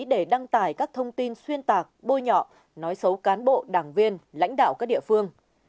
để đăng tải các thông tin xuyên tạc bôi nhọ nói xấu cán bộ đảng viên lãnh đạo các địa phương